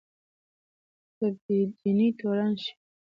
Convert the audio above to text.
په بې دینۍ تورن شي